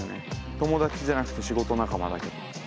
友達じゃなくて仕事仲間だけど。